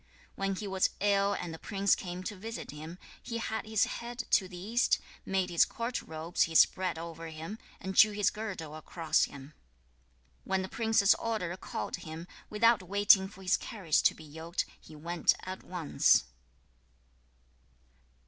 When he was ill and the prince came to visit him, he had his head to the east, made his court robes be spread over him, and drew his girdle across them. 4. When the prince's order called him, without waiting for his carriage to be yoked, he went at once.